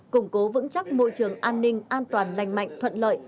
củng cố vững chắc môi trường an ninh an toàn lành mạnh thuận lợi